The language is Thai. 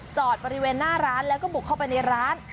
จอดบริเวณหน้าร้านแล้วก็บุกเข้าไปในร้าน